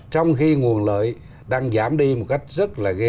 trong khi nguồn lợi đang giảm đi một cách rất là ghê gớm